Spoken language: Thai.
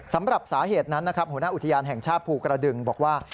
สำหรับสาเหตุนั้นนะครับหัวหน้าอุทยานแห่งชาติภูกระดึงบอกว่า